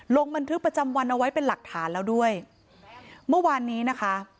ลงบันทึกประจำวันเอาไว้เป็นหลักฐานแล้วด้วยเมื่อวานนี้นะคะ